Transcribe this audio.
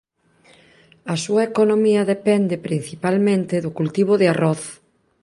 A súa economía depende principalmente do cultivo de arroz.